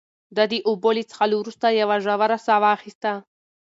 ده د اوبو له څښلو وروسته یوه ژوره ساه واخیسته.